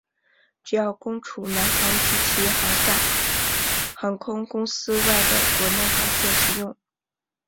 主要供除南航及其旗下航空公司外的国内航线使用。